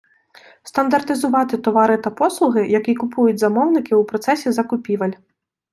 Стандартизувати товари та послуги, які купують замовники у процесі закупівель.